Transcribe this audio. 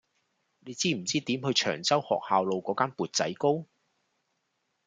你知唔知點去長洲學校路嗰間缽仔糕